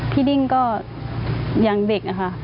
พี่ดิ้งก็อย่างเด็กค่ะ